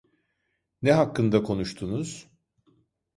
Ne hakkında konuştunuz?